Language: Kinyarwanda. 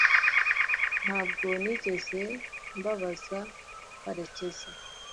ntabwo nigeze mbabaza karekezi